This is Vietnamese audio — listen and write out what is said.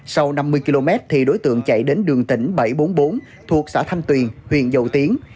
sau năm mươi km thì đối tượng chạy đến đường tỉnh bảy trăm bốn mươi bốn thuộc xã thanh tuyền huyện dầu tiến